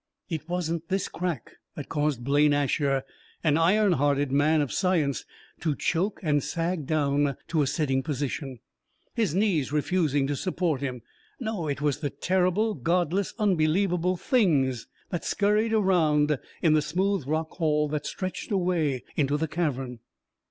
It wasn't this crack that caused Blaine Asher, an iron hearted man of science, to choke and sag down to a sitting position, his knees refusing to support him. No it was the terrible, Godless, unbelievable Things that scurried around in the smooth rock hall that stretched away into the cavern.